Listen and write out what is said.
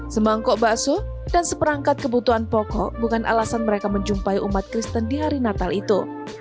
semangkok bakso dan seperangkat kebutuhan pokok bukan alasan mereka menjumpai umat kristen di hari natal itu